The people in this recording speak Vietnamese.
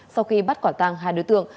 sau khi bắt quả tàng hai đối tượng